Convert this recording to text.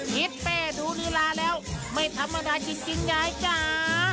ทิศเป้ดูลีลาแล้วไม่ธรรมดาจริงยายจ๋า